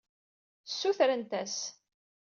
Ssutrent-as.